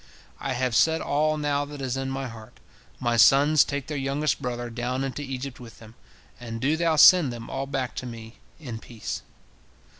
"I have said all now that is in my heart. My sons take their youngest brother down into Egypt with them, and do thou send them all back to me in peace."